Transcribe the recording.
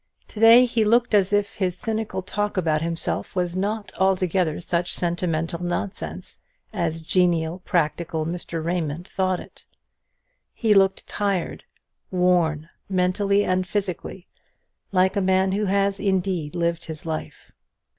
To day he looked as if his cynical talk about himself was not altogether such sentimental nonsense as genial, practical Mr. Raymond thought it. He looked tired, worn, mentally and physically, like a man who has indeed lived his life.